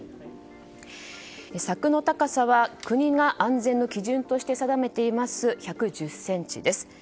柵の高さは国が安全の基準として定めています１１０ｃｍです。